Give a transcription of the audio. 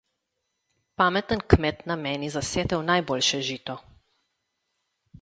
Pameten kmet nameni za setev najboljše žito.